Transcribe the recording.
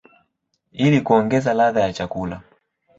ili kuongeza ladha ya chakula.